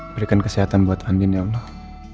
berikan kesehatan buat andin ya allah